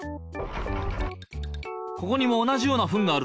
ここにも同じようなフンがある。